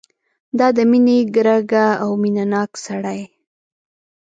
دا د مینې ګرګه او مینه ناک سړی.